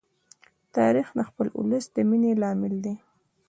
تاریخ د خپل ولس د مینې لامل دی.